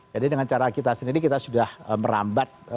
jadi dengan cara kita sendiri kita sudah merambat